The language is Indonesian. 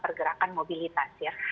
pergerakan mobilitas ya